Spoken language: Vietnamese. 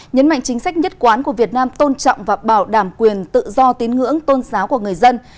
nhấn mạnh chính sách nhất quán của việt nam tôn trọng và bảo đảm quyền tự do tín ngưỡng tôn giáo của người dân